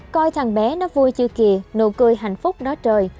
coi thằng bé nó vui chưa kìa nụ cười hạnh phúc đó trời